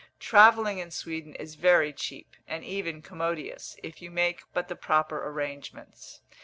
Travelling in Sweden is very cheap, and even commodious, if you make but the proper arrangements.